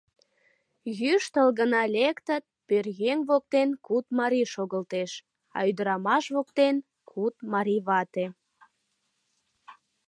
Йӱштыл гына лектыт — пӧръеҥ воктен куд марий шогылтеш, а ӱдырамаш воктен — куд марий вате...